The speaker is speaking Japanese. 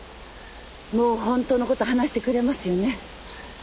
もうホントのこと話してくれますよね。